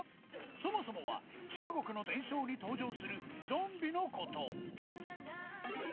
そもそもは中国の伝承に登場するゾンビの事